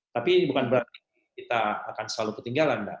tapi bukan berarti kita akan selalu ketinggalan mbak